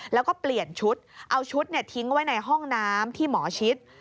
แล้วก็เปลี่ยนชุดเอาชุดทิ้งไว้ในห้องน้ำที่หมอชิด